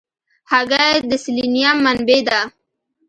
هګۍ د سلینیم منبع ده.